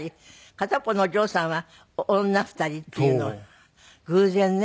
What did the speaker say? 片っぽのお嬢さんは女２人っていうのは偶然ね。